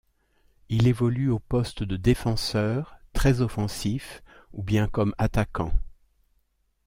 Il évolue au poste de défenseur, très offensif, ou bien comme attaquant.